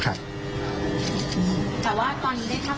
แต่ว่าตอนนี้ได้เชื่อมข้าวอาจารย์มันนอนหรือยังครับ